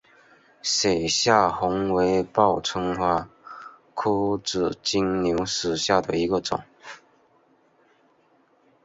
雪下红为报春花科紫金牛属下的一个种。